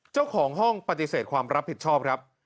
เจ้าของห้องปฏิเสธความรับผิดชอบครับ